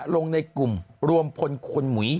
ลงในกลุ่มรวมพลคนหมุย